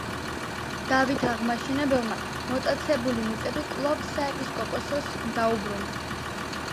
დავით აღმაშენებელმა მოტაცებული მიწები კვლავ საეპისკოპოსოს დაუბრუნა.